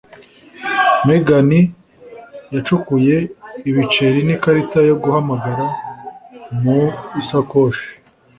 Megan yacukuye ibiceri n'ikarita yo guhamagara mu isakoshi.